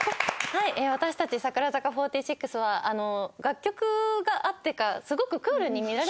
私たち櫻坂４６は楽曲があってかすごくクールに見られがち。